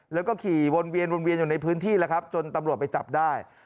แล้วก็ขี่วนเวียนวนเวียนอยู่ในพื้นที่แล้วครับจนตำรวจไปจับได้